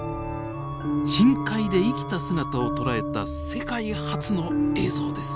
深海で生きた姿を捉えた世界初の映像です。